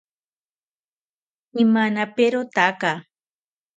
Imanaperotaka